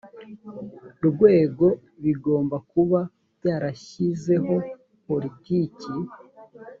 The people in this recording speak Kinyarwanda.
rwego bigomba kuba byarashyizeho politiki